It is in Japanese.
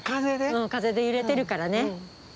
うん風で揺れてるからね。